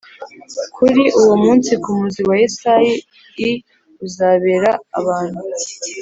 Kuri uwo munsi k umuzi wa Yesayi l uzabera abantu